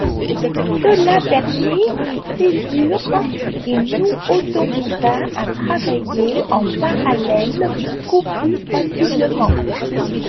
Cela permit une césure qui nous autorisa à travailler en parallèle beaucoup plus facilement.